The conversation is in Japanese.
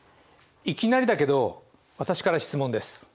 いきなりだけど私から質問です。